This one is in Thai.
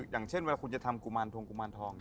อย่างเช่นเวลาคุณจะทำกุมารทองกุมารทอง